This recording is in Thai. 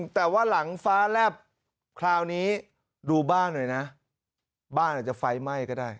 แต่ว่าหลังฟ้าแลบคราวนี้ดูบ้านหน่อยนะบ้านอาจจะไฟไหม้ก็ได้